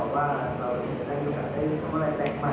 สวัสดีครับ